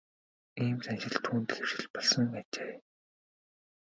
Ийм заншил түүнд хэвшил болсон ажээ.